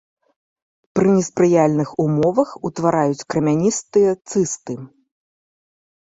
Пры неспрыяльных умовах утвараюць крамяністыя цысты.